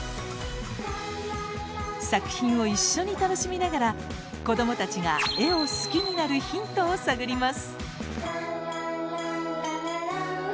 作品を一緒に楽しみながら子どもたちが絵を好きになるヒントを探ります！